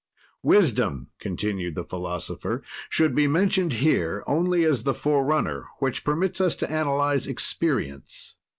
Wisdom, continued the philosopher, should be mentioned here only as the forerunner which permits us to analyze experience.